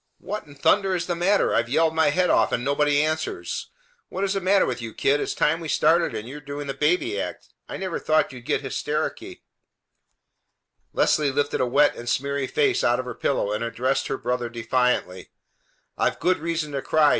"What in thunder is the matter? I've yelled my head off, and nobody answers. What is the matter with you, kid? It's time we started, and you doing the baby act! I never thought you'd get hystericky." Leslie lifted a wet and smeary face out of her pillow and addressed her brother defiantly: "I've good reason to cry!"